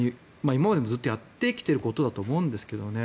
今までもずっとやってきていることだとは思うんですけどね。